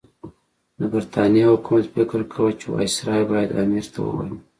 د برټانیې حکومت فکر کاوه چې وایسرا باید امیر ته ووايي.